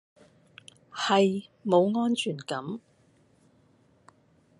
係，冇安全感